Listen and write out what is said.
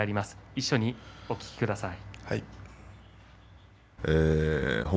一緒にお聞きください。